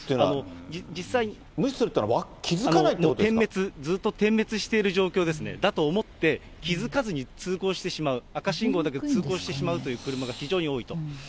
無視するっていうのは、点滅、ずっと点滅してる状況ですね、だと思って、気付かずに通行してしまう、赤信号だけど通行してしまうという車が非常に多いと。